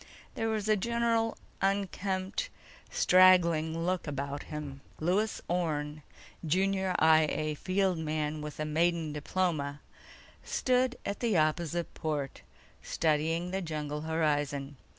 There was a general unkempt, straggling look about him. Lewis Orne, junior I A field man with a maiden diploma, stood at the opposite port, studying the jungle horizon.